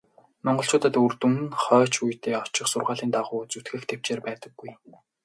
Монголчуудад үр дүн нь хойч үедээ очих сургаалын дагуу зүтгэх тэвчээр байдаггүй.